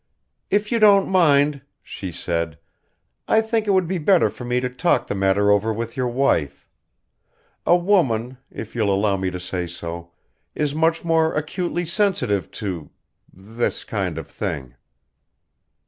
"If you don't mind," she said, "I think it would be better for me to talk the matter over with your wife. A woman, if you'll allow me to say so, is much more acutely sensitive to ... this kind of thing."